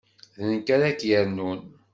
D nekk ara k-yernun.